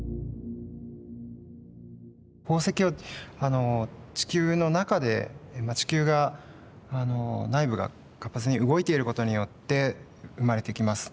宝石は地球の中で地球が内部が活発に動いていることによって生まれてきます。